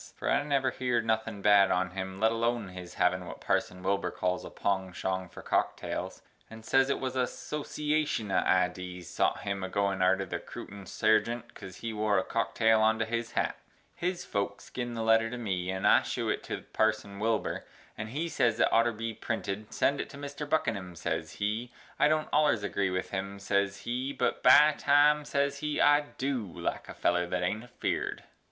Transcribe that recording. For I never heered nothin bad on him let Alone his havin what Parson Wilbur cals a pongshong for cocktales, and ses it wuz a soshiashun of idees sot him agoin arter the Crootin Sargient cos he wore a cocktale onto his hat. His Folks gin the letter to me and I shew it to parson Wilbur and he ses it oughter Bee printed, send It to mister Buckinum, ses he, i don't ollers agree with him, ses he, but by Time, ses he, I du like a feller that ain't a Feared.